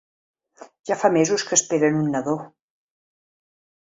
Ja fa mesos que esperen un nadó.